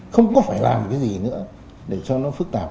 không có phải làm cái gì nữa để cho nó phức tạp